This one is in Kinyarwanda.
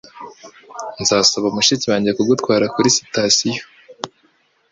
Nzasaba mushiki wanjye kugutwara kuri sitasiyo.